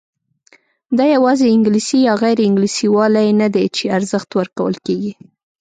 دا یوازې انګلیسي یا غیر انګلیسي والی نه دی چې ارزښت ورکول کېږي.